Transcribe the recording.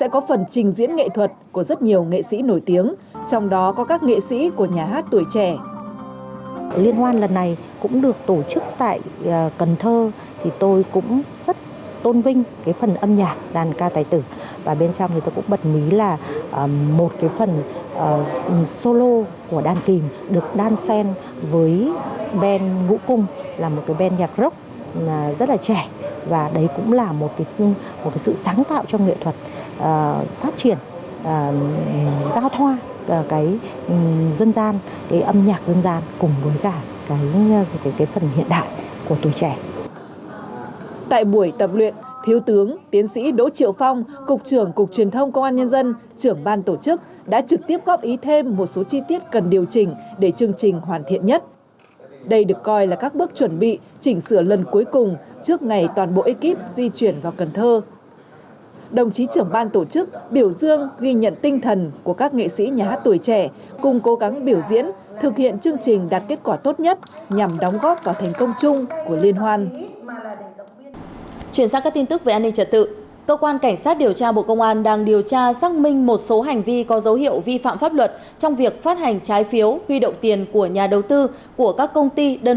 cảnh sát điều tra bộ công an đang điều tra xác minh một số hành vi có dấu hiệu vi phạm pháp luật trong việc phát hành trái phiếu huy động tiền của nhà đầu tư của các công ty đơn vị liên quan công ty cổ phần tập đoàn đầu tư an đông